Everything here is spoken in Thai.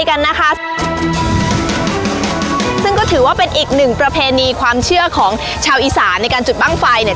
ซึ่งก็ถือว่าเป็นอีกหนึ่งประเพณีความเชื่อของชาวอีสานในการจุดบ้างไฟเนี่ย